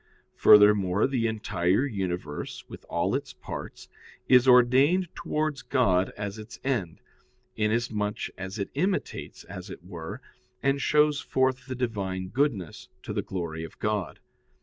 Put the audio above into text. Furthermore, the entire universe, with all its parts, is ordained towards God as its end, inasmuch as it imitates, as it were, and shows forth the Divine goodness, to the glory of God.